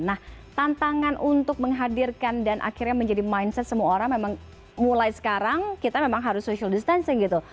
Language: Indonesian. nah tantangan untuk menghadirkan dan akhirnya menjadi mindset semua orang memang mulai sekarang kita memang harus social distancing gitu